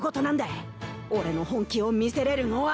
俺の本気を見せれるのは